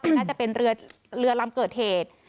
น่าจะเป็นเรือลำเกิดเหตุ